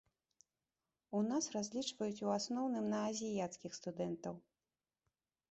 У нас разлічваюць у асноўным на азіяцкіх студэнтаў.